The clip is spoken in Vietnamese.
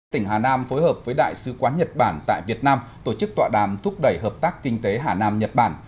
tỉnh hà nam phối hợp với đại sứ quán nhật bản tại việt nam tổ chức tọa đàm thúc đẩy hợp tác kinh tế hà nam nhật bản